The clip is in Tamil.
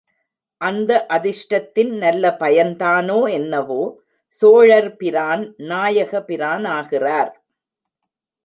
அந்த அதிர்ஷ்டத்தின் நல்ல பயன்தானோ என்னவோ, சோழர்பிரான் நாயக பிரானகிறார்.